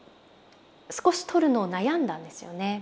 少し撮るのを悩んだんですよね。